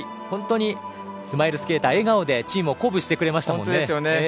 本当にスマイルスケーター笑顔でチームを鼓舞してくれましたもんね。